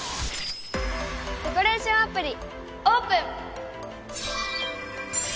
デコレーションアプリオープン！